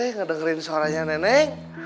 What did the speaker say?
ngedengerin suaranya neneng